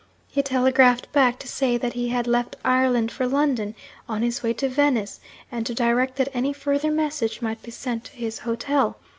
He telegraphed back to say that he had left Ireland for London, on his way to Venice, and to direct that any further message might be sent to his hotel.